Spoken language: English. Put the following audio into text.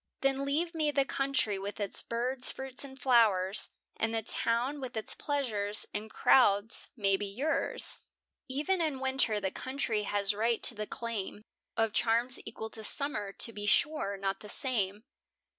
Then leave me the country with its birds, fruits, and flowers, And the town, with its pleasures and crowds, may be yours. E'en in winter the country has right to the claim Of charms equal to summer; to be sure, not the same.